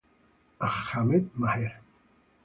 Ahmed Maher